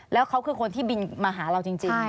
แล้วเขาคือคนที่บินมาหาเราจริง